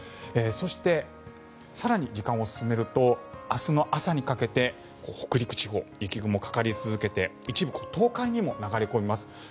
そして、更に時間を進めると明日の朝にかけて北陸地方、雪雲がかかり続けて一部、東海にも流れ込みます。